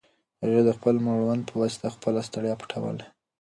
هغې د خپل مړوند په واسطه خپله ستړیا پټوله.